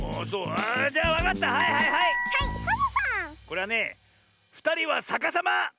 これはね「ふたりはさかさま」！